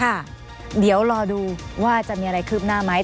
ค่ะเดี๋ยวรอดูว่าจะมีอะไรคืบหน้าไหม